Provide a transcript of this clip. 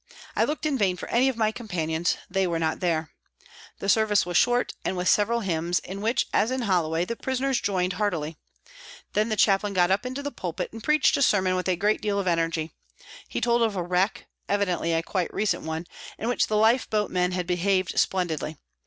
I looked in vain for any of my companions, they were not there. The service was short and with several hymns, in which, as in Holloway, the prisoners joined heartily. Then the Chaplain got up into the pulpit and preached a sermon with a great deal of energy. He told of a wreck, evidently a quite recent one, in which the lifeboat men had behaved splendidly.